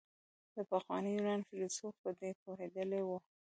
د پخواني يونان فيلسوفان په دې پوهېدلي وو.